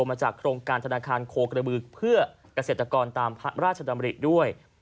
มาจากโครงการธนาคารโคกระบือเพื่อเกษตรกรตามพระราชดำริด้วย